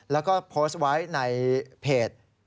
แล้วก็โพสต์ไว้ในเพจ